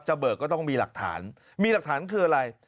เบิกก็ต้องมีหลักฐานมีหลักฐานคืออะไร